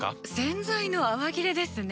洗剤の泡切れですね。